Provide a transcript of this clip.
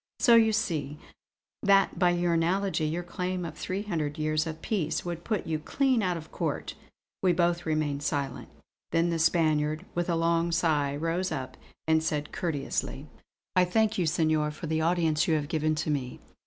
So you see that by analogy your claim of three hundred years of peace would put you clean out of court." We both remained silent. Then the Spaniard, with a long sigh, rose up and said courteously: "I thank you Senor, for the audience which you have given to me.